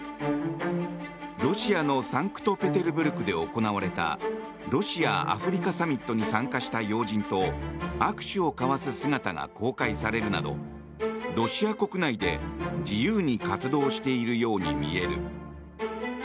ロシアのサンクトペテルブルクで行われたロシア・アフリカサミットに参加した要人と握手を交わす姿が公開されるなどロシア国内で自由に活動しているように見える。